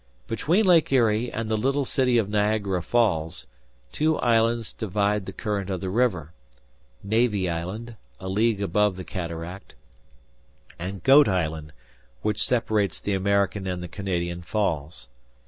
Between Lake Erie, and the little city of Niagara Falls, two islands divide the current of the river, Navy Island, a league above the cataract, and Goat Island, which separates the American and the Canadian Falls.